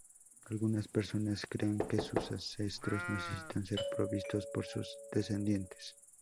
Algunas personas creen que sus ancestros necesitan ser provistos por sus descendientes.